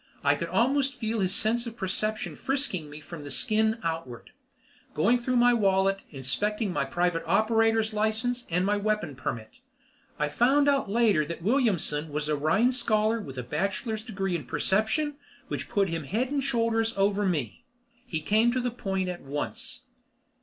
I could almost feel his sense of perception frisking me from the skin outward, going through my wallet and inspecting the Private Operator's license and my Weapon Permit. I found out later that Williamson was a Rhine Scholar with a Bachelor's Degree in Perception, which put him head and shoulders over me. He came to the point at once.